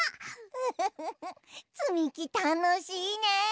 フフフフつみきたのしいねえ！